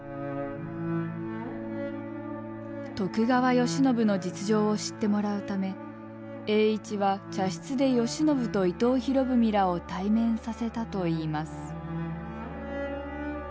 徳川慶喜の実情を知ってもらうため栄一は茶室で慶喜と伊藤博文らを対面させたといいます。